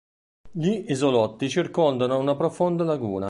Gli isolotti circondano una profonda laguna.